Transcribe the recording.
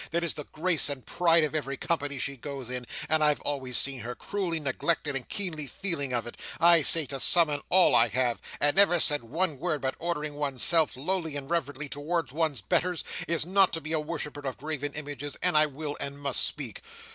that is the grace and pride of every company she goes in, and I've always seen her cruelly neglected and keenly feeling of it—I say to some and all, I have!—and never said one word, but ordering one's self lowly and reverently towards one's betters, is not to be a worshipper of graven images, and I will and must speak!"